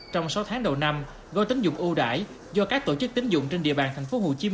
trong sáu tháng đầu năm gói tín dụng ưu đãi do các tổ chức tín dụng trên địa bàn tp hcm